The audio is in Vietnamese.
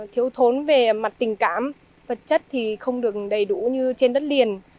thiếu thốn về mặt tình cảm vật chất thì không được đầy đủ như trên đất liền